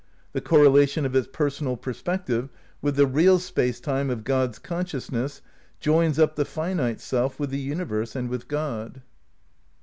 The correlation of its personal perspective with the "real" Space Time of God's consciousness joins up the finite self with the universe and with God.